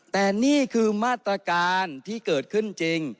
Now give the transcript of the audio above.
แต่นี่คือมาตรการที่เกิดขึ้นจริง